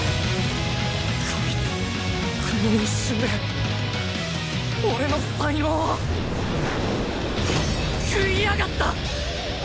こいつこの一瞬で俺の才能を喰いやがった！